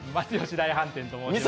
大飯店と申します。